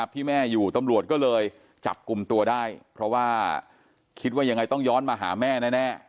ที่แม่อยู่ตำรวจก็เลยจับกลุ่มตัวได้เพราะว่าคิดว่ายังไงต้องย้อนมาหาแม่แน่